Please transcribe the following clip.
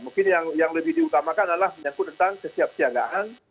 mungkin yang lebih diutamakan adalah menyangkut tentang kesiapsiagaan